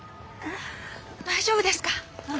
大丈夫ですか？